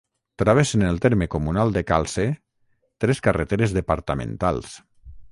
Travessen el terme comunal de Calce tres carreteres departamentals.